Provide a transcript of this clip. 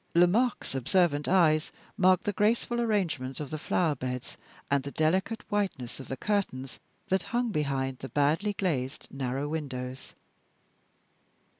Lomaque's observant eyes marked the graceful arrangement of the flower beds, and the delicate whiteness of the curtains that hung behind the badly glazed narrow windows.